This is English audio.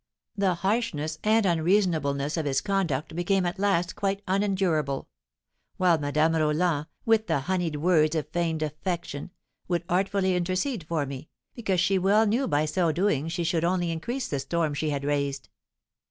The harshness and unreasonableness of his conduct became at last quite unendurable; while Madame Roland, with the honeyed words of feigned affection, would artfully intercede for me, because she well knew by so doing she should only increase the storm she had raised.